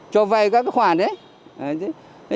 cho vay các cái khoản đấy